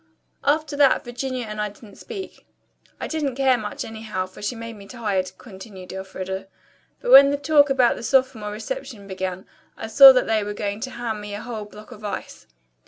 "After that, Virginia and I didn't speak. I didn't care much anyhow, for she made me tired," continued Elfreda. "But when the talk about the sophomore reception began I saw that they were going to hand me a whole block of ice.